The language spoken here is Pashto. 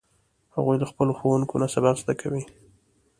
هغوی له خپلو ښوونکو نه سبق زده کوي